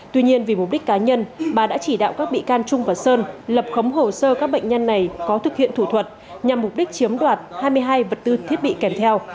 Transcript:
tuy nhiên vì mục đích cá nhân bà đã chỉ đạo các bị can trung và sơn lập khống hồ sơ các bệnh nhân này có thực hiện thủ thuật nhằm mục đích chiếm đoạt hai mươi hai vật tư thiết bị kèm theo